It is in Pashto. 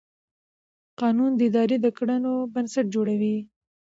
قانون د ادارې د کړنو بنسټ جوړوي.